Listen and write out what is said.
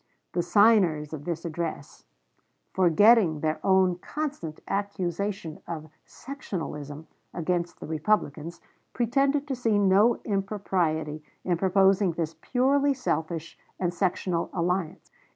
The signers of this address, forgetting their own constant accusation of "sectionalism" against the Republicans, pretended to see no impropriety in proposing this purely selfish and sectional alliance.